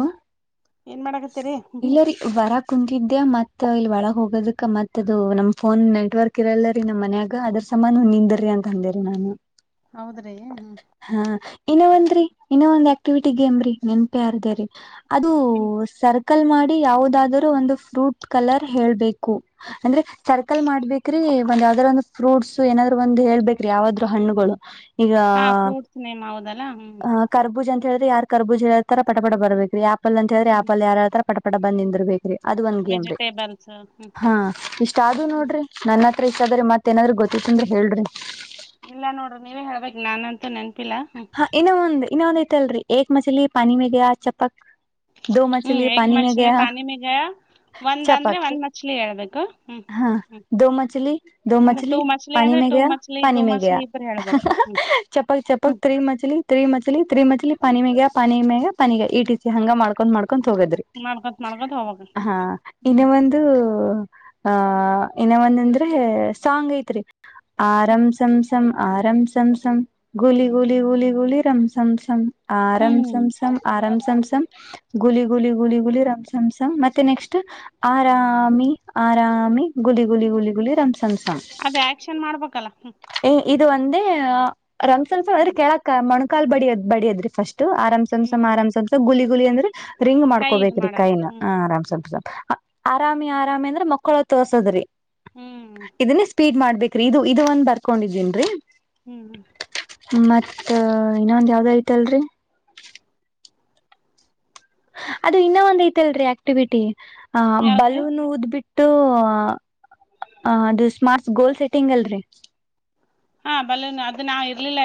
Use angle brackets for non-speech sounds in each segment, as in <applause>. ಹಾ ಏನ್ ಮಾಡಕತ್ತೇರಿ ಕುಂತಿದ್ದೆ ಮತ್ ಇಲ್ ಒಳಗ ಹೋಗೋದಕ್ಕ ಮತ್ದು ನಮ್ ಫೋನ್ ನೆಟ್ವರ್ಕ್ ಇರಲ್ಲ ರೀ ನಮ್ ಮನ್ಯಾಗ ಅದ್ರ ಸಮಾನನ್ ನಿಂದ್ರರಿ ಅಂತ ಅಂದೇರಿ ನಾನು ಹೌದ್ರಿ ಹ್ಮ್ ಹಾ ಇನ್ನ ಒಂದ್ರೀ ಇನ್ನ ಒಂದ್ ಯ ಆಕ್ಟಿವಿಟಿ ಗೇಮ್ರೀ ನೆನ್ಪಿಾರದ ರರಿ ಅದು ಹ್ಮ್ ಸರ್ಕಲ್ ಮಾಡಿ ಯಾವದಾದ್ರೂ ಒಂದು ಫ್ರೂಟ್ ಕಲರ್ ಹೇಳ್ಬೇಕು ಅಂದ್ರೆ ಸರ್ಕಲ್ ಮಾಡ್ಬೇಕ್ರಿ ಒಂದ್ ಯಾವ್ದಾದ ಒಂದು ಫ್ರೂಟ್ಸ್ ಏನಾದ್ರು ಒಂದ್ ಹೇಳ್ಬೇಕ್ರಿ ಯಾವಾದ್ರು ಹಣ್ಣುಗಳು ಈಗ ಹಾ ಫ್ರೂಟ್ಸ್ ನೇಮ್ ಹೌದಲ್ಲಾ ಹ್ಮ್ ಕರ್ಬೂಜ್ ಅಂತ ಹೇಳ್ರಿ ಯಾರ್ ಕರ್ಬಜಿ ಹೇಳಳ್ತರ ಪಟ ಪಟ ಬರ್ಬೇಕ್ರಿ ಆಪಲ್ ಅಂತ ಹೇಳಿ ಹ್ಮ್ ಯಾರರ ಕಡ ಬಂದ ನಿಿಂದ್ರ್ ಬೇಕ್ರಿ ಅದ ಒಂದ್ ಗೇಮ್ ರೀ ವೆಜಿಟೇಬಲ್ಸ್ ಹ್ಮ್ ಹಾ ಇಷ್ಟ ಆದೂ ಹ್ಮ್ ನೋಡ್ರಿ ನನ್ನ ಾದ್ರೆ ಮತ್ತತ್ೇನಾದ್ೂ ಗೊತ್ತ ಅ್ರೆ ಹೇಳ್ರಿ ಇಲ್ಲ ನೋಡ್ರಿ ನೀವೇ ಹೇಳ್ಬೇಕೇಕ್ ನಾನನ್ಂತೂ ನೆನ್ಪ ಹಾ ಇನ್ನ ಒಂದಂದು ಇನ್ನ ಒಂದ ಚಲ ರೀಏ ಮಚ್ಲಿ ಪಾನಿ ಮ ಗ ಚಪ್ಪಪಕ್ ಹ್ಮ್ ಎಕ್ ಮಚ್ಲಿ ಪಾನಿ ಮಿಗ ಒಂದ ಅಂದ್ರೆ ಚಪಕ್ ಒಂದ್ ಮಚ್ಲಿ ಹೇಳ್ಬೇಕು ಹ್ಮ್ ಹಾ ಹ್ಮ್ ದೋ ಮಚಲಿ ದೋ ಒಂದೆ ಟೂ ಮಚಲಿ ಮಚ್ಲಿ ಪಾನಿ ಅಂದ್ರೆ ಮೆ ಟೂ ಗಯಾ ಮಚ್ಲಿ ಪಾನಿ ಟೂ ಮೆ ಗಯಾ ಮಸಲಿ ಇದರು ಹೇಳ್ಬೇಕು ಹ್ಮ್ ಹ್ಮ್ ತ್ರರಿ ಮಲಿ ತ್ರರಿ ಮಚಲಿ ಪಾನಿ ಮಗ ಪಾನಿ ಮೇಗ ಪನಿಗ ಈ ಟಿ ಸಿ ಹಂಗ ಮಾಡ್ಕೊಂಡ್ ಮಾಡ್ ಕುಂತ ಹೋಗದ್ರಿ ಮಾಡ್ಕೊತ್ ಮಾಡ್ಕೊತ್ ಹೋಗ್ಬೇಕ ಹಾ ಇನ್ನ ಹ್ಮ್ ಒಂದು ಆಹ ಇನ್ನ ಒಂದ ಅಂದ್ರೆ ಸಾಂಗ್ ಐತ್ರಿ ಆರಂಸ ಸಮ ಆರಂ ಸಂ ಸಂ ಗುಲಿ ಗೂಲಿ ಗೂಲಿ ಗೂಲಿ ರಮಸಮ ಆರಂ ಹ್ಮ್ ಸಂಸ ಆರಮಸಂ ಗುಲಿ ಗುಲಿ ಗುಲಿಗುಲಿ ರಂಸಂ ಮತ್ತೆ ನೆಕ್ಸ್ಟ್ ಆರಾಮಿ ಆರಾಮಿ ಗುಲಿ ಗುಲಿ ಗುಲಿಗುಲಿ ರಂಸಂ ಅದೇ ಆಕ್ಷನ್ ಮಾಡ್ಬೇಕಲ್ಲ ಹ ಇದು ಒಂದೇ ಸ್ವಲ್ಪ ಅದ್ರ ಹ್ಮ್ ಕೇಳಾ ಅಕ್ಕ ಕಾಲ್ ಬಡಿಯದ ಬಡಿಯದ್ರಿ ಫಸ್ಟ್ ಆರಾಮ್ ಸಮ್ಸಂ ಹ್ಮ್ ಆರಾಮ್ ಸಮ್ಸಂ ಗೂ ಲಿ ಗುಲಿ ಅಂದ್ರೆ ರಿಂಗ್ ಕೈ ಇದ್ ಮಾಡ್ಕೋಬೇಕು ರೀ ಮಾಡದ ಕೈನ ಹ್ಮ್ ಆರಾ ಮ್ಸ ಆರಾಮಿ ಆರಾಮಿ ಅಂದ್ರೆ ಮಕ್ಕಳು ತೋರ್ಸದ್ರಿ ಹ್ಮ್ ಇದನ್ನ ಸ್ಪೀಡ್ ಮಾಡ್ಬೇಕು ಇದು ಇದದು ಒಂದ್ ಬರ್ಕೊಂಡಿದೀನ್ರೀ ಹ್ಮ್ ಹ್ಮ್ ಮತ್ ಇನ್ನೊಂದ ಯಾವ್ದ ಐತಲ್ರಿ ಅದು ಇನ್ನ ಒಂದ್ ಐತಿಲ್ರರಿ ಆಕ್ಟಿವಿಟಿ ಹ ಯಾವದ್ರಿ ಬಲೂನ್ ಉದ್ಬಿಟ್ಟ ಅದು ಸ್ಮಾರ್ಟ್ಸ್ ಗೋಲ್ ಸೆಟ್ಟಿಂಗ್ ಅಲ್ರಿ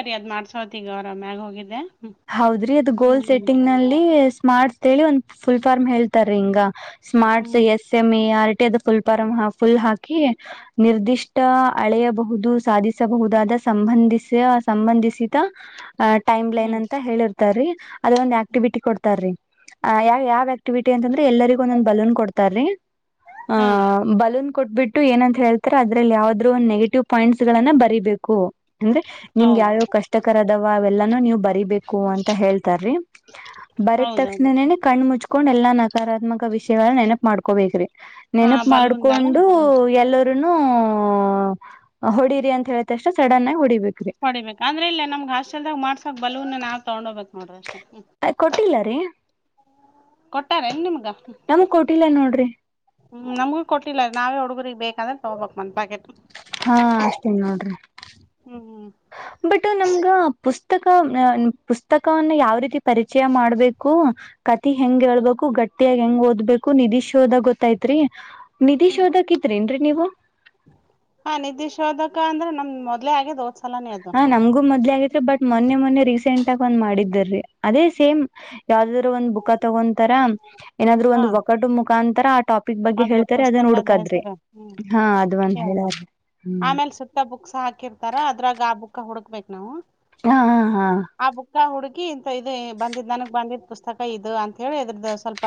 ರಿ ಅದ್ ಮಾಡ್ಸೋತಿ ಈಗ ಅವರ ಮ್ಯಾಗ ಹೋಗಿದ್ದೆ ಹೌದ್ರಿ ಅದು ಗೋಲ್ ಹ್ಮ್ ಸೆಟ್ಟಿಂಗ್ ನಲ್ಲಿ ಮಾಡ್ತೇಳಿ ಒಂದ್ ಫುಲ್ ಫಾರ್ಮ್ ಹೇಳ್ತಾರೀ ಹಿಂಗ ಸ್ಮಾರ್ಟ್ಸ್ ಹ್ಮ್ ಹ್ಮ್ ಎಸ್ ಎಮ ಎ ಆರ್ ಇದು ಫುಲ್ಪಾರಂ ಫುಲ್ ಹಾಕಿ ನಿರ್ದಿಷ್ಟ ಅಳೆಯಬಹುದು ಸಾಧಿಸಬಹುದಾದ ಸಂಬಂಧಿಸ ಸಂಬಂಧಿಸಿದ ಟೈಮ್ ಹ್ಮ್ ಲೆಂಥ್ ಹೇಳಿರ್ತಾರಿ ಅದೇ ಒಂದು ಆಕ್ಟಿವಿಟಿ ಕೊಡ್ತಾರ ರೀ ಹ ಯಾವ ಯಾವ್ಯ ಆಕ್ಟಿವಿಟಿ ಅಂತಂದ್ರೆ ಎಲ್ಲರಿಗೂ ಒಂದೊಂದು ಬಲೂನ್ ಕೊಡ್ತಾರೀ ಆ ಹಾ ಬಲೂನ್ ಕೊಟ್ಟಬಿಟ್ಟ ಏನಂತ ಹೇಳ್ತಾರ ಅದ್ರಲ್ಲಿ ಯಾವ್ದ್ರು ಒಂದು ನೆಗೆಟಿವ್ ಪಾಯಿಂಟ್ಸ್ ಗಳನ್ನ ಬರಿಬೇಕು ಅಂದ್ರೆ ನಿಮ್ಗೆ ಹೌದು ಯಾವ್ಯಾವ್ ಕಷ್ಟಕರ ಅದಾವ ಅವೆಲ್ಲಾನೂ ನೀವು ಬರಿಬೇಕು ಹೂ ಅಂತ ಹೇಳ್ತಾರೀ ಬರದ ಹೌದೌದು ತಕ್ಷಣನೇನೆ ಕಣ್ ಮುಚ್ಕೊಂಡ್ ಎಲ್ಲಾ ನಕಾರಾತ್ಮಕ ವಿಷಯ ವಲ್ಲಿ ನೆನಪ ಮಾಡಕೋಬೇಕ್ರಿ ಹಾ ನೆನಪು ಬಲೂನ್ದಲ್ಲ ಮಾಡ್ಕೊಂಡು ಹ್ಮ್ ಎಲ್ಲ ನು ಹೊಡಿರಿ ಅಂತ ಹೇಳತ ಅಷ್ಟ ಸಡನ್ ಆಗಿ ಹೊಡಿಬೇಕ್ರಿ ಬಲವನ್ನ ನಾವವು ತಗೊಂಡೋಗಬೇಕು ಕೊಟ್ಟಿಲ್ಲ ರೀ ಕೊಟ್ಟಾರ ನ್ ನಿಮ್ಗ ಟ್ಟಿಲ್ಲ ನೋಡ್ರಿ ಹ್ಮ್ ನಮಗೂ ಕೊಟ್ಟಿಲ್ಲ ನಾವೇ ಹಡುಗುರಿಗೆಗ್ ಬೇಕಂದ್ರೆ ತಗೋಬೇಕಕ್ ಮನ್ ಪ್ಯಾಕೆಟ್ ಹಾ ಅಷ್ಟೇನ್ ನೋಡ್ರಿ ಹ್ಮ್ ಬಟ್ ನಮ್ಗ ಪುಸ್ತಕ ಪುಸ್ತಕವನ್ನ ಯಾವ ರೀತಿ ಪರಿಚಯ ಮಾಡ್ಬೇಕು ಕತಿ ಹೆಂಗ ಹೇಳ್ಬೇಕು ಗಟ್ಟಿಯಾಗ ಹೆಂಗ್ ಓದ್ಬೇಕು ನಿಧಿಶೋದಾಗ ಗೊತ್ತೈತ್ರಿ ನಿಧಿಶ ಶೋದಕ್ ಇದತ್್ರೇನ್ರೀ ನೀವು ಹ ನಿಿದೇಶೋಧಕ ಅಂದ್ರೆ ನಮ್ ಮೊದ್ಲೆೇ ಆಗೇದೋದ ಹಾ ನಮಗೂ ಮೊದ್ೇ ಆಗತ್ೆ ಬಟ್ ಮೊನ್ನೆ ಮೊನ್ನೆ ರೀಸೆಂಟ್ ಆಗ ಒಂದ್ ಮಾಡಿದ್ದರೀ ಅದೇ ಸೇಮ್ ಯಾವ್ದ ಒ ಬುಕ್ಕ ತಗೊಂತರ ಏನಾದ್ರು ಹಾ ಒಂದು ಒಟ್ಟು ಮುಖ ಅಂತರ ಅದ ಪುಸ್ತಕದ ಹೆಸರು ಹ್ಮ ಹಾ ಅದು ಒಂದ್ ಹ ಹೇಳ್ಯಾರಿ ಹ್ಮ್ ಆಮೇಲೆ ಸುತ್ತ ಬುಕ್ಸ್ ಹಾಕಿರ್ತಾರ ಅದ್ರಾಗ ಆ ಬುಕ್ ಹುಡುಕ್ಬೇಕಕ್ ನಾವು ಹಾ ಹಾ ಕಿ ಇಂತ ಇದು ಬಂದಿದ್ ನನಗ್ ಬಂದಿದ್ ಪುಸ್ತಕ ಇದು ಅಂತ ಹೇಳಿ ಇದ್ರ್ದ ಸ್ವಲ್ಪ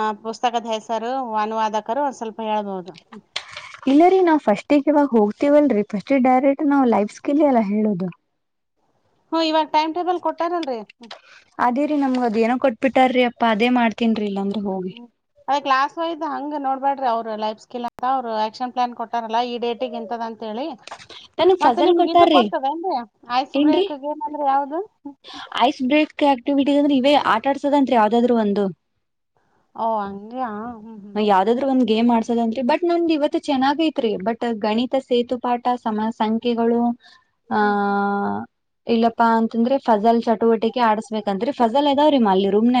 ಅ ಪುಸ್ತಕದ ಹೆಸರು ್ ಅನುವಾದಕರು ಒಂದ್ ಸ್ವಲ್ಪ ಹೇಳ್ಬಹದು ಇಲ್ಲರಿೀ ನಾವ್ ಫಸ್ಟೇ ಇವಾಗ ಹೋಗ್ ಇವಲ್ರರಿ ಫಸ್ಟ್ ಡೈರೆಕ್ಟ್ ನಾವು ಲೈಫ್ ಸ್ಕಿಲ್ ಎಲ್ಲಾ ಹೇಳೋದು ಹ್ಮ ಇವಾಗ ಟೈಮ್ ಟೇಬಲ್ ಕೊಟ್ಟಾರನ್ರಿ ಅದೇ ರೀ ನಮ್ಗ ಅದ ಏನೋ ಕೊಟ್ಬಿಟ್ರ ಅಪ್ಪಾ ಅದೇ ಮಾಡ್ತನ್ರಿ ಇಲ್ಲಂದ್ರೆ ಹೋಗಿ ಅದೇ ಕ್ಲಾಸ್ ವೈಸ್್ ಹಂಗ್ ನೋಡ್ಬೇ್ರಿ ಅವರು ಲೈಫ್ ಸ್ಕಿಲ್ ಅಂತ ಅವ್ರು ಆಕ್ಷನ್ ಪ್ಲಾನ್ ಕೊಟ್ಟಾರಲ್ಲ ಈ ಡೇಟಿಗೆ ಇಂತದ ಅಂತ ಹೇಳಿ ನನಗ್ ಮತ್ತೆ ಫಜಲ್ ನಿಮ್ಗೆ ಇದು ಕೊಟ್ಟಾರ್ರಿ ಗೊತ್ತದ ಏನ್ೀ ಐಸ್ ಏನ್ರೀ ಬ್ರೇಕ್ ಏನಂದ್ರೆ ಯಾವ್ದ ಂದ್ರೆ ಇವೇ ಆಟ ಆಡ್ಸೋದಂತ್ ಯಾವ್ದಾದ್ರು ಒಂದು ಓ ಅಂಗಯಾ ಹ್ಮ್ ಹ್ಮ್ ಗೇ್ ಮಾಡ್ಸೋದನ್ರಿ ಬಟ್ ನಮ್ದ್ ಇವತ್ತು ಚೆನ್ನಾಗ ಐತ್ರಿ ಬಟ್ ಗಣಿತ ಸೇತು ಪಾಠ ಸಮ ಸಂಖ್ಯೆಗಳು ಹ ಹ್ಮ್ ಇಲ್ಲಪ್ಪಾ ಅಂತಂದ್ರೆ ಫಸಲ್ ಚಟುವಟಿಕೆ ಆಡ್ಸ್ಬೇಕಂದ್ರ ಸಲ್ ಅದಾವ್ರೀಮ್ಮ ಅಲ್ಲಿ ರುಮ್ನ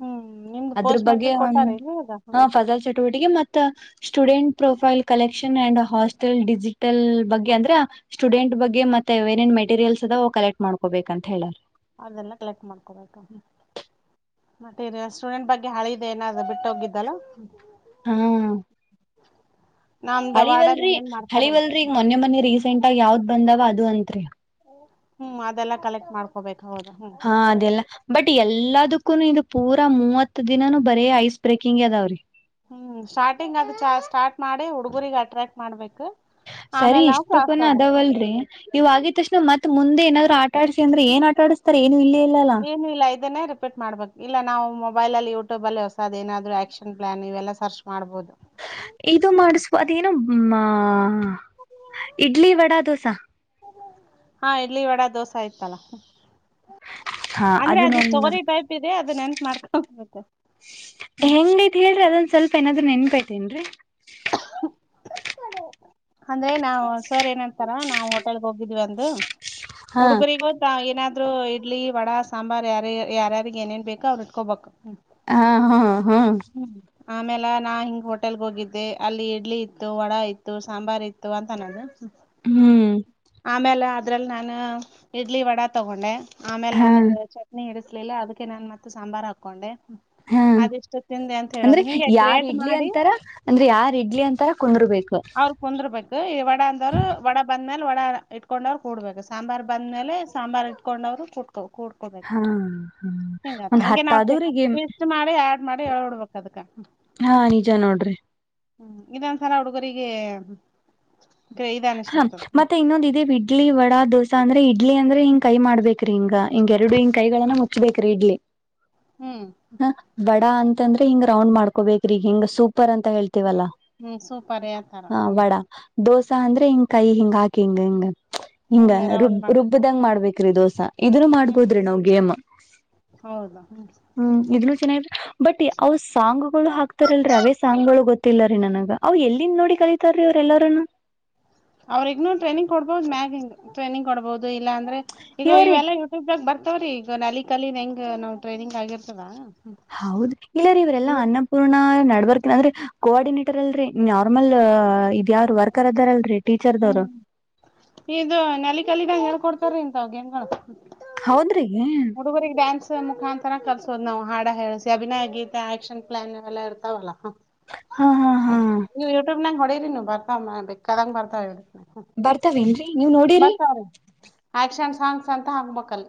ಹ್ಮ್ ನಿಮ್ದು ಅದ್ರ ಪೋಸ್ಟ್ ಬಗ್ಗೆ ಮೆಟ್ರಿಕ್ ಕೊಟ್ಟಾರ ಏನ್ ಇವಾಗ ಹ ಫಜಾಲ್ ಚಟುವಟಿಕೆ ಮತ್ತೆ <unintelligible> student profile collection and hostel digital ಬಗ್ಗೆ ಅಂದ್ರ ಸ್ಟೂಡೆಂಟ್ ಬಗ್ಗೆ ಮತ್ತೆ ಏನೇನ್ ಮೆಟೀರಿಯಲ್ಸ್ ಅದ ಕಲೆಕ್ಟ್ ಮಾಡ್ಕೋಬೇಕಂತ ಹೇಳರ್ ಅದೆಲ್ಲ ಕಲೆಕ್ಟ್ ಮಾಡ್ಕೋಬೇಕು ಮತ್ತೆ ಸ್ಟೂಡೆಂಟ್ ಬಗ್ಗೆ ಹಳಿ ಇದೆ ಏನಾದ ಬಿಟ್ಟು ಹೋಗಿದ್ದಲ್ಲ ಹಾ <inaudible> ನಮ್ದು ವಾರ್ಡನ್ ಹಳಿವಲ್ರಿ ಏನೇನ್ ಮಾಡ್ತಾರೇನ್ ಹಳಿವಲ್ರರಿ ಈಗ ಮೊನ್ನೆ ಮೊೆ ರೀಸೆಂಟ್ ಆಗ ಯಾವ್ದ್ ಬಂದಾವ ಅದು ಅಂತ ತ್ರೇ ಹ್ಮ್ ಅದೆಲ್ಲಾ ಕಲೆಕ್ಟ್ ಮಾಡ್ಕೋಬೇಕು ಹಾ ಅದೆಲ್ಲ ಬಟ್ ಎಲ್ಲದಕ್ಕೂನು ಇದು ಪೂರಾ ಮೂವತ್ ದಿನಾನನು ಬರೀ ಐ ಬ್ರೇಕಿಂಗ್ ಅದಾವ್ರೀ ಹ್ಮ್ ಸ್ಟಾರ್ಟಿಂಗ್ ಅದು ಸ್ಟಾರ್ಟ್ ಮಾಡಿ ಹುಡುಗುರಿಗೆ ಅಟ್ರಾಕ್ಟ್ ಮಾಡ್ಬೇಕು ಸರಿ ಆಮೇಲೆ ನಾವು ಇಷ್ಟು ಕ್ಲಾಸ್ ಕೂನ ತಗೋಬೇಕು ಅದಾವಲ್ರರಿ ಇವಾಗಿದ್ದಕ್ಷ್ಣ ಮತ್ ಮುಂದೆಏನಾದ್ರು ಆಟ ಆಡಿಸಿ ಅ್ರೆಏ ಆಡಿಸತ ಏನು ಇಲ್ಲಿ ಏನು ಇಲ್ಲ ಇದನ್ನೇ ರಿಪೀಟ್ ಮಾಡ್ಬೇಕು ಇಲ್ಲ ನಾವುೊ ಮೊಬೈಲಲ್ಲಿ ಯೂಟ್ಯೂಬಲ್ಲಿ ಹೊಸದ ಏನಾದರೂ ಆ್ಯಕ್ಷನ್ ಪ್ಲ್ಾನ್ ಇವೆಲ್ಲ ಸರ್ಚ್ ಮಾಡ್ಬೋದು ಇದು ಮಾಡಿಸ ಅದೇನೋ ಇಡ್ಲಿ ವಡಾ ದೋಸಾ ಹಾ ಇಡ್ಲಿ ವಡ ದೋಸೆ ಇಯತಲ್ಲ ಹಾ ಅಂದ್ರೆ ಅದು ಅದನ್ನೊಂದ ಸ್ಟೋರಿ ಟೈಪ್ ಇದೆ ಅದನ್ನ ನೆನ್ತ್ ಮಾಡ್ಕೊಂಡು ಹೆಂಗ್ ಹೇಳ್ರಿ ಅದನ್ ಸ್ವಲ್ಪ ಏನಾದ್ರೂ ನೆನ್ಪೈತೇನ್ರೀ ಅಂದ್ರೆ ನಾವವು ಸರ್ ಏನಂತಾರ ನಾವು ಹೋಟೆಲ್ಗೆ ಹೋಗಿದ್ವಿ ಅಂದು ಹಾ ಹುಡುಗರಿಗೋ ಏನಾದೂ ರು ಇಡ್ಲಿ ವಡ ಸಾಂಬಾರ್ು ಯಾರ ಯಾರ್ಯಾರ ಏನೇನ್ ಬೇಕೋ ಅವ್ರರು ಇಟ್ಕೋಬೇಕು ಹಾ ಹಾ ಹಾ ಆಮೇಲೆ ನಾ ಹಿಂಗ್ ಹೋಟೆಲ್ ಹೋಗಿದ್ದೆ ಅಲ್ಲಿ ಇಡ್ಲಿ ಇತ್ತು ವಡಾ ಇತ್ತು ಸಾಂಬಾರ್ ಇತ್ತು ಅಂತ ನು ಹ್ಮ್ ಆಮೇಲೆ ಅದರಲ್ಲಿ ನಾನು ಇಡ್ಲಿ ವಡ ತೊಗೊಂಡೆ ಆಮೇಲೆ ಹಾ ನನ್ಗ್ ಚಟ್ನಿ ಇರಿಸ ಇಲಿಲ್ಲ ಅದಕ್ಕೆ ನಾನನ್ ಮತ್ತ ಸಾಂಬಾರ್ ಹಾಕೊಂಡೆ ಹಾ ಆದಷ್ಟ ತಿಂದೆ ಅಂತ ಹೇಳದು ಅಂದ್ರೆ ಹಿಂಗೆ ಯಾರ್ ಕ್ರೇಟ್ ಇಡ್ಲಿ ಮಾಡಿ ಅಂತಾರ ಅಂದ್ರೆ ಯಾರ್ ಇಡ್ಲಿ ಅಂತಾರ ಕುಂದರ್ಬೇಕು ಅವ್ರ ಕುಂದರ್ಬೇಕು ಈ ವಡ ಅಂದವರು ವಡ ಬಂದ ಮೇಲೆ ಒಡ ಇಟ್ಕೊಂಡ್ವ್ರು ಕುೂಡ್ಬೇಕು ಸಾಂಬಾರ್ ಬಂದ್ಮೇಲೆ ಸಾಂಬಾರಾರ್ ಇಟ್ಕೊಂಡ್ವ್ರು ಕು ಕೂಡ್ಕೋಬೇಕ ಹಾ ಹಾ ಹಂಗ ಒಂದ್ ಹಗೆ ಹತ್ತಾದೂರಿಗೆ ನಷ್ಟ ಮಾಡಿ ನಡೆ ಹಳ್ಡ್ಬೇಕ ಅದಕ್ಕ ಹಾ ನಿಜ ನೋಡ್ರಿ ಹ್ಮ್ ಇದೊಂದಸಲ ಹುಡುಗರಿಗೆ ಗ್ರ ಇದ ಹಾ ಅನಿಸ್ಬಿಡ್ತದ ಹ್ಮ್ ಮತ್ತೆ ಇನ್ನೊಂದೇ ಇಡ್ಲಿ ವಡ ದೋಸಾ ಅಂದ್ರೆ ಇ ಇಡ್ಲಿ ಅಂದ್ರೆ ಹಿಂಗ್ ಕೈ ಮಾಡ್ಬೇಕ್ರಿ ಹಿಂಗ ಹಿಂಗ ಎರಡು ಹಿಂಗ ಕೈಗಳನ್ನ ಮುಚ್ಚಬೇಕ್ರೀ ಇಡ್ಲಿ ಹ್ಮ್ ಹ ಬಡ ಅಂತ ಅಂದ್ರೆ ಹಿಂಗ ರೌಂಡ್ ಮಾಡ್ಕೋಬೇಕ್ರೀಗಿಂಗ ಸೂಪರ್ ಅಂತ ಹೇತತಿ ಹೂ ಸೂಪರೇ ತರ ಹ ದೋಸೆ ಸ ಅಂದ್ರೆ ಹಿಂಗ ಕೈ ಹಿಂಗ ಹಾಕಿ ಹಿಂಗ ಹಿಂಗ ಹಿಂಗ ರೌಂಡ್ ರುಬ್ ಮಾಡ್ತಾರ ರುಬ್ಬದಂಗ ಮಾಡ್ಬೇಕ್ರಿ ದೋಸಾ ಇದನ ಮಾಡ್ಬೋದ್ರಿ ಹ್ಮ್ ನಾವ್ ಗೇಮ್ ಹೌದು ಹ್ಮ್ ಹೂ ಇದನು ಚೆನ್ನಾಗ ಬಟ್ ಅವ್ ಸಾಂಗ್ ಗಳು ಹಾಕ್ತಾರಲ್ರರಿ ಅವೇ ಸಾಂಗ್ಗಳು ಗೊತ್ತಿಲ್ಲರೀ ನನಗ ಅವ ಎಲ್ಲಿಂದ ನೋಡಿ ಕಲಿತಾರೀ ಅವ್್ರ ಎಲ್ಲರೂ ಅವ್ರಗ್ನುೂ ಟ್ರೈನಿಂಗ್ ಕೊಡ್ಬಹುದು ಮ್ಯ ಟ್ರೈನಿಂಗ್ ಕೊಡ್ಬಹುದು ಇಲ್ಲಾಂದ್ರೆ ಈಗ ಇಲ್ಲರಿ ಇವೆಲ್ಲಾಗ ಬ ಾವ್ರೀ ಈಗ ನ ಅಲಿ ಕಾಲನ್ ಹೆಂಗ್ ನಾವವು ಟ್ರೈನಿಂಗ್ ಆಗಿರ್ತದ ಹೌದು ಇಲ್ಲರಿೀ ಇವ್ರಲ್ಲಾ ಇವ್ ಅನ್ನಪೂರ್ಣ ನ ಅಂದ್ರೆ ಕೋಆರ್ಡಿನೇಟರ್ ಅಲ್ ನಾರ್ಮಲ್ ಯಾರು ವರ್ಕರ್ ಅದಾರಲ್ರಿ ಟೀಚರ್ದವರು ಹ್ಮ್ ರಿಂತ ಅವ ಗ ಹೆಂಗಳ ಹುಡುಗರಿಗೆ ಡ್ಯಾನ್ಸ್ ಮುಖಾಂತರ ಕಲ್ಸೋದ್ ನಾವು ಹಾಡ ಹೇಳಸಿಸಿ ಅಭಿನಯ ಗಗೀ ಆಕ್ಕ್ಷನ್ ಪ್ಲಾ ಎಲ್ಲ ಇರ್ತಾವಲ್ಲ ಹ ಹಾ ಹಾ ಹಾ ನೀವು ಯೂಟ್ಯೂಬ್ ನಾಗ ಹೊಡೆ ಬರ್ತಾವ ಬೇಕಾದಂಗ ಬರ್ತಾವ ಇವಿ ಬರ್ತಾವೇನ್ರರಿ ನೀವ್ ನೋಡರಿ ಆಕ್ಷನ್ ಸಾಂಗ್ಸ್ ಅಂತ ಹಾಕ್ಬೇಕಲ್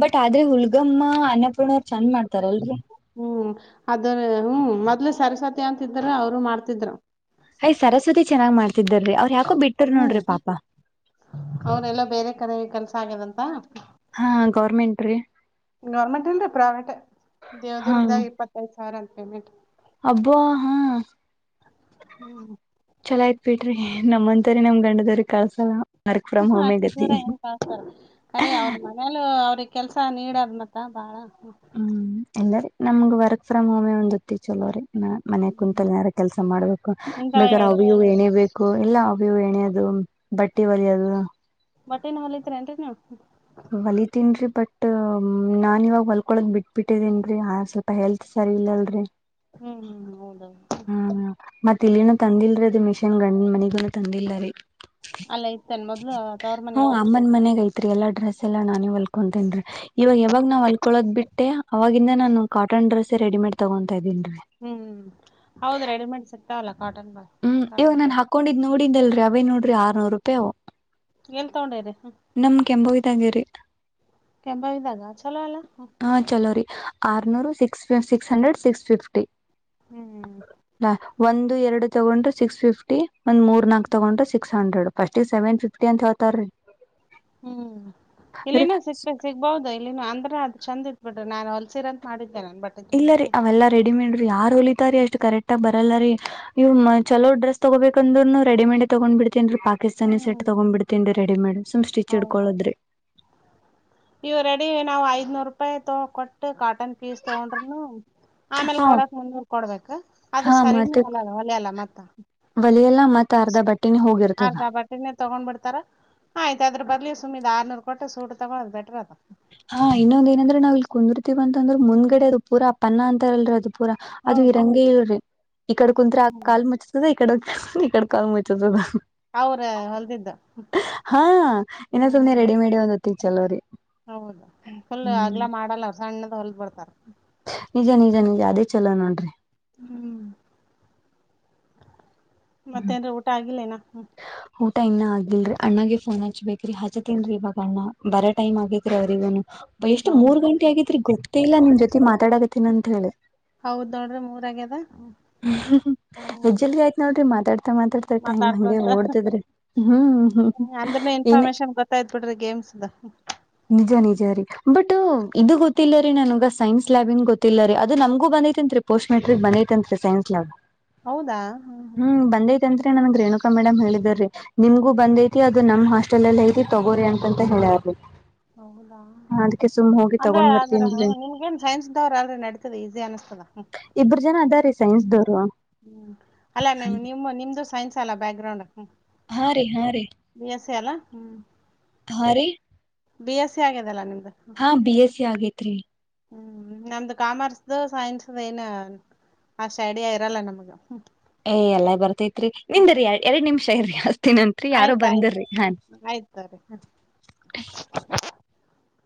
ಬಟ್ ಆ ಆದ್ರೆ ಹುಳ್ಗಮ್ಮ ಅನ್ನಪೂರ್ಣವರು ಚಂದ ಮಾಡ್ತಾರಲ್ರರಿ ಹ್ಮ್ ಅದ್ರ ಹ್ಮ್ ಮೊದ್ಲ ಸರಸ್ವತಿ ಅಂತಿದ್ರ ಅವರು ಮಾಡ್ತಿದ್ರು. ಅಯ್ ಸರಸ್ವತಿ ಚೆನ್ನಾಗ್ ಮಾಡ್ ರರಿ ಅವ್ರ್ ಯಾಕೋ ಬಿಟ್ಟ್ರ ಹ್ಮ್ ನೋಡ್ರಿ ಪಾಪ ಹಾಗ್ಯದಂತ ಹಾ ಗೌರ್ಮೆಂಟ್ ರೀ ಗೌರ್ಮೆಂಟ್ ಅಲ್ರರಿ ಪ್ರೈವೇಟ್ ದೇವದುರ್ಗದಾಗ ಇಪ್ಪತ್ತೈದು ಂ ಪೇಮೆಂಟ್ ಅಬ್ಬುವ ಹಾ ಚೋಲ ಆಯ್ತ ಬಿಟ್ರಿ ನಮಮ್ಮಂತರಿ ನಮ್ ಗಂಡದವ್ರ ಕಲ್ಸಲ್ಲ ಹ ಅಷ್ಟು ದೂರ ಏನ್ ಕತಾರೆ ಅಖರಿ ಅವ್ರ ಮನೇಲು ಅವ್ರಿಗೆ ಕೆಲ್ಸ ನೀಡದ್ ಮತ್ತ ಬಾಳ ಹೂ ಎಲ್ಲಾರೆ ನಮ್ಗ್ ವರ್ಕ್ ಫ್ರ್ ಹೋಮ್ ಒಂದತ್ತತಿ ಚಲೋ ರರಿ ಹ ಮನೆ ಕುಂತಲ್ನಾರ ಕೆಲ್ಸ ಮಾಡ್ಬೇಕು ಇಂತಾವ ಬೇಕಾರ ಹೇಳ್ಬೇಕು ಅವು ಏನೇ ಬೇಕು ಇಲ್ಲ ಅ್ಯವು ಎಣೆಯದು ಬಟ್ಟಿ ಹೋಲಿಯದು. ಬಟ್ಟೆನ ಹೊಲಿತಿರೇನ್ರಿ ನೀವ್ ಹೊಲಿತೀನ್ರಿ ಬಟ್ ನಾನ್ ಇವಾಗ ಹೊಲ್ಕೊಳದ್ ಬಿಟ್ ಬಿಟ್ಟಿದೀನ್ರಿ ಸ್ವಲ್ಪ ಹೆಲ್ತ್ ಸರಿ ಇಲ್ಲಲ್ರಿ. ಹ್ಮ್ ಹ್ಮ್ ಹೌದ. ಹಾ ಮತ್ತ್ ಇಲ್ಲಿನು ತಂದಿಲ್ರಿ ಅದು ಮಷಿ ನ್ ಗಂಡ್ ಮನೆಗುನು ತಂದಿಲ್ಲರಿ. ಅಲ್ ಇತ್ತಾನ್ ಮೊದ್ಲು ತವ್ರ ಹಾ ಮನ್ಯಾಗ. ಅಮ್ಮನ್ ಮನೆಗ್ ಎಲ್ಲಾ ಡ್ರೆಸ್ ಎಲ್ಲ ನಾನೇ ಹೊಲ್ಕೊತೇನ್ರಿ ಇವಾಗ ಯಾವಾಗ ನಾ ಹೊಲ್ಕೊಳೋದ್ ಬಿಟ್ಟೆ ಅವಾಗಿಂದ ನಾನು ಕಾಟನ್ ಡ್ರೆಸ್ ರೆಡಿಮೇಡ್ ತಗೊ ಹ್ಮ್ ಹೌದ ರೆಡಿ ಮೇಡ್ ಸಿಕ್ತಾವಲ್ಲ. ಕಾಟನ್ ಬ ಹ್ಮ್ ಇವಗ್ ಕಾಟನ್ ಬ ನಾನ್ ಹಾಕೊಂಡಿದ್ ನೋಡಿದಲ್ ರವೆ ನೋಡ್ರಿ ಆರ್ನೂರು ರೂಪಾಯಿವು. ಎಲ್ ತಗೊಂಡಿರಿ ನಮ ಕೆಂಬವಿದಂಗೇರಿ ಕೆಂಬಾವಿದಾಗ ಚಲೋ ಅಲ್ಲ ಹಾ ಚಲೋ ರಿ ಹ್ಮ್ ಆರ್ನೂರು ಸಿಕ್ಸ್ ಸ ಸಿಕ್ಸ್ ಹಂಡ್ರೆಡ್ ಸಿಕ್ಸ್ ಫಿಫ್ಟಿ. ಹಾ ಒನ್ ಎರಡು ತಗೊಂಡ್ರು ಸಿಕ್ಸ್ ಫಿಫ್ಟಿ ಒಂದ್ ಮೂರ್ ನಾಕ್ ತಗೊಂಡ್ರೆ ಸಿಕ್ಸ್ ಹಂಡ್ರೆಡ್. ಫಸ್ಟ್ಗ್ ಸೆವೆನ್ ಫಿಫ್ಟಿ ಅಂತ ಹೇಳ್ತಾರೀ. ಹ್ಮ್ ಇಲ್ಲಿನೂ ಸಿಗ್ತ ಸಿಗ್ಬಹದ ಇಲ್ಲಿನು ಅಂದ್ರ ಚಂದ್ ಇತ್ ಬಿಡ್ರಿ ನಾನ್ ಹೊಲ್ಸಿರ ಅಂತ ಮಾಡಿದ್ ಇಲ್ಲ ರೀ ಅವೆಲ್ಲಾ ರೆಡಿಮೇಡ್ ಯಾರ ಹೊಲಿತಾರ ಅಷ್ಟ್ ಕರೆಕ್ಟ್ ಆಗ ಬರಲ್ಲ ರೀ. ಇವ್ ಚಲೋ ಡ್ರೆಸ್ ತಗೋಬೇಕಂದ್ರರುನು ರೆಡಿಮೇಡ್ ತಗೊಂಡ್ ಬಿಡ್ ರಿ ಪಾಕಿಸ್ತಾನಿ ಸೆ ಹ್ಮ್ ತಗೊಂಡ್ಬ ಬಿಡ್ತೇನ್ ರೀ ರೆಡಿಮೇಡ್ ಸುಮ್ ಸ್ಟಿಚ್ ಹ ಇಡ್ಕೊಳದ್ರಿ. ಇವು ರೆಡಿ ನಾವು ಐದ್ನೂರು ರೂಪಾಯಿ ತೊ ಕೊಟ್ಟು ಕಾ ಟನ್ ಪೀಸ್ ತಗೊಂಡ್ರುನು ಆಮೇಲೆ ಹ ಕೊಡಕ್ ಮುನ್ನೂರು ಕೊಡ್ಬೇಕ್ ಅದು ಹಾ ಸರಿ ಮತ್ತೆ ಹೊಲ್ಲ ಹೋಲಿಯಲ್ಲ. ಮತ್ತ ಒಲಿಯಲ್ಲ ಮತ್ ಅರ್ಧ ಬಟ್ಟೆನೆ ಹೋಗಿರ್ತದ ಅರ್ಧ ಬಟ್ಟೆನೆ ತಗೊಂಡ್ಬಿಡ್ತಾರ ಆಯ್ತ ಅದ್ರ ಬದ್ಲು ಸುಮ್ ಆರ್ನೂರ್ ಕೊಟ್ಟ ಸೂಟ್ ತಗೋಳೋದ್ ಬೆ ಟ್ರದ ಹಾ ಇನ್ನೊಂದ ಏನಂದ್ರೆ ನಾವು ಇಲ್ ಕುಂದಿರ್ತಿವ ಅಂತ ಅಂದ್ರು ಮುಂದ್ಗಡೆ ಅದು ಪೂರಾ ಪನ್ನಾ ಅಂತಾರಲ್ರಿ ಅದು ಪೂರ ಅದು ಹೌದು ಇರಂಗೆ ಇಲ್ರಿ ಈ ಕಡೆ ಕುಂತ್ರೆ ಆ ಹ್ಮ್ ಕಾಲ್ ಮುಚ್ತದೆ. ಇ ಇಡೆ ಈ ಕಡೆ ಕಾಲ್ ಮುಚ್ಚುತ್ತದ. ಅವ್ರ ಹೊಲ್ದಿದ್ದ ಹಾ ಇನ್ನು ಸುನೆ ಹ್ಮ್ ರೆಡಿಮೇಡ್ <unintelligible> ತಿ ಚಲೋ ರಿ ಹೌದು ಫುಲ್ ಅಗ್ಲಾ ಮಾಡಲ್ಲ ಅವ್ರ್ ಸಣ್ಣದ ಹೊಲ್ದ್ ಕೊಡ್ತಾರ. ನಿಜ ನಿಜ ನಿಜ ಅದೇ ಚಲೋ ನೋಡ್ರಿ. ಹ್ಮ್. ಹ್ಮ್ ಮತ್ತೇನ್ರಿ ಊಟ ಆಗಿಲ್ಲ ಇನ್ನಾ. ಹ್ಮ್. ಊಟ ಇನ್ನ ಆಗಿಲ್ರಿ ಅಣ್ಣಂಗೆ ಫೋನ್ ಹಚ್ಬೇಕ್ರಿ ಹಚತಿನ್ರಿ ಇವಾಗ ಅಣ್ಣ ಬರ ಟೈಮ್ ಆಗೇತ್ ರಿ ಅವ್ರಿಗೂನು. ಎಷ್ಟು ಹೌದ ಮೂರ್ ಗಂಟೆ ಆಗೈತ್ರಿ ಗೊತ್ತೇ ಇಲ್ಲ ನಿಮ್ ಜೊತ್ ತಿ ಮಾತಾಡಕತ್ತಿನ್ ಅಂತ್ ಹೇಳಿ. ಹೌದ್ ನೋಡ್ರಿ ಮೂರ್ ಆಗ್ಯದ. ಹ್ಹ್ ಹ್ಮ್ ಎಸ್ಟ್ ಜಲ್ದಿ ಆಯ್ತ್ ನೋಡ್ರಿ ಮಾತ್ ತ ಮಾತಾಡ್ತ ಟೈಮ್ ಹೆಂಗೆ ಮಾತಾಡ್ಕೊಂತ ಓಡ್ತದ್ರಿ ಹ್ಮ್ ಹ್ಮ್ ಹ್ಮ್ ಅಂದ್ರನು ಏನೇ ಇನ್ಫಾರ್ಮೇಶನ್ ಗೊತ್ತಾಯ್ತ್ ಬಿಡ್ರಿ ಗೇಮ್ಸ್ದ. ನಿಜ ನಿಜ ರೀ ಬಟ್. ತು ಇದು ಗೊತ್ತಿಲ್ಲ ರೀ ನನ್ಗ ಸೈನ್ಸ್ ಲ್ಯಾಬಿಂದ್ ಗೊತ್ತಿಲ್ಲ ರೀ ಅದು ನಮ್ಗೂ ಬಂದೈತ್ ಅಂತ್ರಿ ಪೋಸ್ಟ್ ಮೆಟ್ರಿಕ್ ಬಂದೈತ್ ಅಂತ್ರಿ. Science lab. ಹ್ಮ್ ಬಂದೈತಂತ್ ತ ನನುಗ್ ರೇಣುಕಾ ಮೇಡಮ್ ಹೇಳಿದ್ದುರೀ ನಿಮ್ಗೂ ಬಂದೈತಿ ಅದು ನಮ್ ಹಾಸ್ಟೆಲ್ ಅಲ್ಲಿ ಇದೆ ತಗೋಳಿ ಅಂತ ಹೇಳ್ಯಾರ್ರಿ ಹೌದಾ ಅದಕ್ಕೆ ಸುಮ್ ಹೋಗಿ ಅಂದ್ರೆ ತಗೊಂಡ್ ಆದ್ರ ಬರ್ತೀನ್ರಿ ನಿಮ್ಗೇನ್ ಸೈನ್ಸ್ ನವ್ರ್ ಯಾರು ನಡಿತದ ಈಸಿ ಅನಿಸ್ತದ. ಹ್ಮ್ ಇಬ್ರು ಜನ ಅದಾರೀ ಸೈನ್ಸ್ದವ್ರು. ಹ್ಮ್ ಅಲ್ಲ ಹಾ ನಿಮ್ ರೀ ನಿಮ್ಮ ನಿಮ್ ಇದು ಸೈನ್ಸ್ ಅಲ್ಲ ಬ್ಯಾಗ್ರೌಂಡ್. ಹಾ ರೀ ಬಿ ಎಸ್ ಸ್ಸಿ ಅಲ, ಹ್ಮ್. ಹಾ ರೀ. ಬಿ ಎಸ್ ಸ್ಸಿ ಆಗ್ಯದಲಾ ನಿಮ್ ಹಾ ಬಿ ಎಸ್ ಸ್ಸಿ ಆಗೇತ್ರಿ. ಹ್ಮ್ ನಮ್ದು ಕಾಮರ್ಸ್ದು ಸೈನ್ಸ್ದು ಏನು ಅಷ್ಟ್ ಐಡಿಯ ಇರಲ್ಲ ನಮ್ಗ ಹ್ಮ್. ಏಯ್ ಎಲ್ಲ ಬರ್ತೈತ್ರಿ ನಿಮ್ದುರಿ ಯರ್ಡ್ ಎರ್ಡ್ ನಿಮ್ಶ್ <unintelligible> ತಿನಂತ್ರಿ ಯಾರು ಆಯ್ತಾಯ್ತು. ಬಂದುರಿ ಹಾನ್ ಆಯ್ತ್ ತಗೋರಿ.